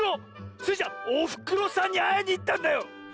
スイちゃんおふくろさんにあいにいったんだよ！